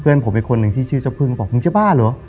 เพื่อนผมเป็นคนหนึ่งที่ชื่อเจ้าพึ่งบอกว่ามึงเจ้าบ้าเหรอ